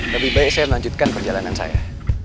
lebih baik saya melanjutkan perjalanan saya